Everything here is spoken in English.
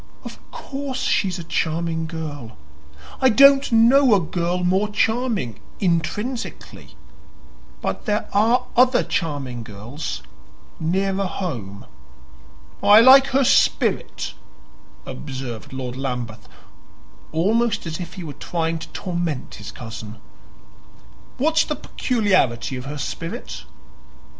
"Of course she's a charming girl. I don't know a girl more charming, intrinsically. But there are other charming girls nearer home." "I like her spirit," observed Lord Lambeth, almost as if he were trying to torment his cousin. "What's the peculiarity of her spirit?"